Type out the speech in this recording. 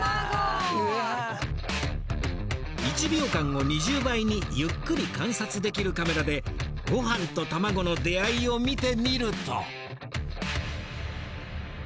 １秒間を２０倍にゆっくり観察できるカメラでごはんと卵の出会いを見てみると。